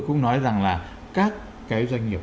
cũng nói rằng là các cái doanh nghiệp